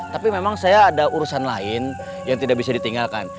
tapi memang saya ada urusan lain yang tidak bisa ditinggalkan